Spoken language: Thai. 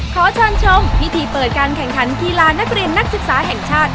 ขอเชิญชมพิธีเปิดการแข่งขันกีฬานักเรียนนักศึกษาแห่งชาติ